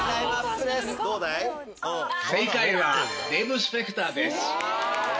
正解はデーブ・スペクターです。